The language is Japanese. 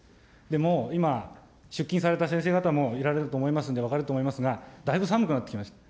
でも今、出勤された先生方もいられると思いますんで、分かると思いますが、だいぶ寒くなってきました。